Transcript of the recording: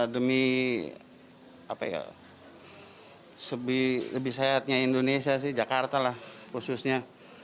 demi lebih sehatnya indonesia sih jakarta lah khususnya